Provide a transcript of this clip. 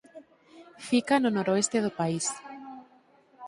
Fica no noroeste do país.